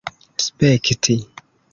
spekti